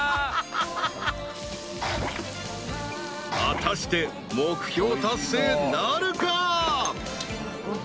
［果たして目標達成なるか？］